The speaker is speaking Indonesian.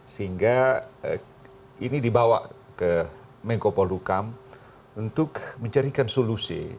sehingga ini dibawa ke mengkopol hukam untuk mencarikan solusi